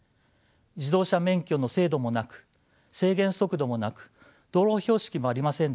自動車免許の制度もなく制限速度もなく道路標識もありませんでした。